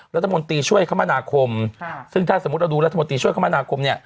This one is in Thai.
รัฐมนตรีช่วยคมนาคมซึ่งถ้าสมมุติเราดูรัฐมนตรีช่วยคมนาคมเนี่ย